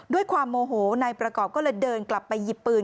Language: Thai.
ด้วยความโมโหนายประกอบก็เลยเดินกลับไปหยิบปืน